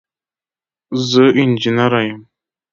زه انجنیره یم.